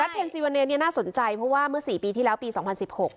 เทนซีวาเนเนี่ยน่าสนใจเพราะว่าเมื่อสี่ปีที่แล้วปีสองพันสิบหก